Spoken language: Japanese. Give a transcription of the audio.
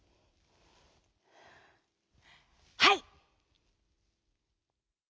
「はい！」。